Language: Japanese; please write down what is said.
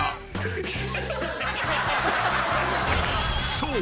［そう］